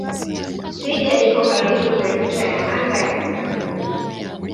Twiga iko karibu na ncha ya anga ya kaskazini.